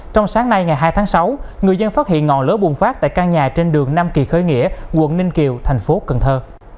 trong sáng nay ngày hai tháng sáu người dân phát hiện ngọn lửa bùng phát tại căn nhà trên đường nam kỳ khởi nghĩa quận ninh kiều thành phố cần thơ